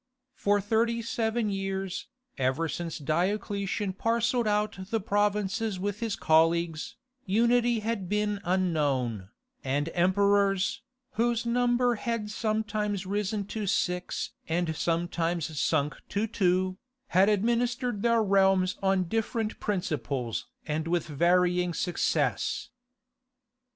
For thirty seven years, ever since Diocletian parcelled out the provinces with his colleagues, unity had been unknown, and emperors, whose number had sometimes risen to six and sometimes sunk to two, had administered their realms on different principles and with varying success.